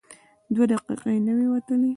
دوه دقیقې نه وې وتلې.